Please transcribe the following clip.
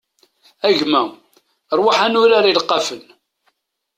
A gma, ṛwaḥ ad nurar ileqqafen!